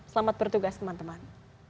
selamat bertugas teman teman